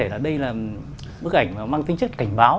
đây là bức ảnh mang tính chất cảnh báo